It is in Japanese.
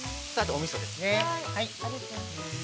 おみそですね。